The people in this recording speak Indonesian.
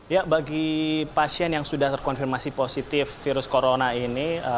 ya bagi pasien yang sudah terkonfirmasi positif virus corona ini